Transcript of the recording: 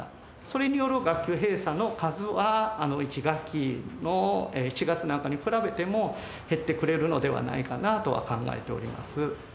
それによる学級閉鎖の数は、１学期の７月なんかに比べても減ってくれるのではないかなとは考